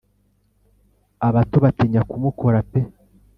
Abato batinya kumukora pe